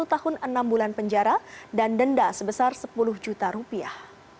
sepuluh tahun enam bulan penjara dan denda sebesar sepuluh juta rupiah